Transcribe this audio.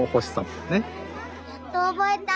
やっと覚えた！